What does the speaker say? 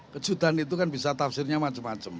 kejutan itu kan bisa tafsirnya macam macam